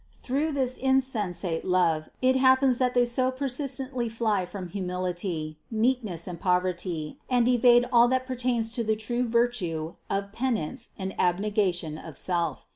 Through this insensate love it happens that they so persistently fly from humility, meekness and poverty and evade all that pertains to the true virtue of penance and abnegation of self.